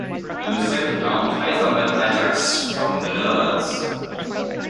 In the second round Haifa met Ajax from the Netherlands.